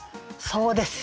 そうです。